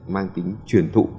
mang tính truyền thụ